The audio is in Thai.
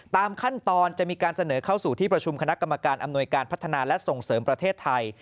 ตามขั้นตอนจะมีการเสนอเข้าสู่ที่ประชุมคณะกรรมการอำนวยการพัฒนาและส่งเสริมประเทศไทย